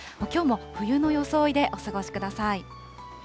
きょうも冬の装いでお過ごしください。